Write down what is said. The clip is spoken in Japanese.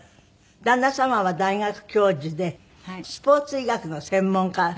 旦那様は大学教授でスポーツ医学の専門家。